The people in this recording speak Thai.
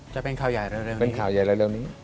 จะเป็นข่าวใหญ่เร็วนี้